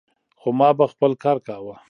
خو ما به خپل کار کاوه.